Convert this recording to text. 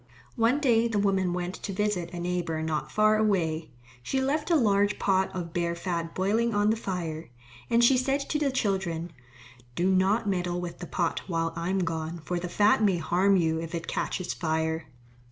One day the woman went to visit a neighbour not far away. She left a large pot of bear fat boiling on the fire. And she said to the children, "Do not meddle with the pot while I am gone, for the fat may harm you if it catches fire."